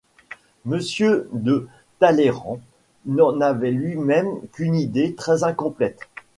Monsieur de Talleyrand n'en avait lui-même qu'une idée très-incomplète.